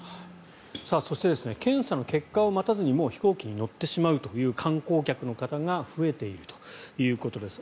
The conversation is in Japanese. そして検査の結果を待たずにもう飛行機に乗ってしまうという観光客の方が増えているということです。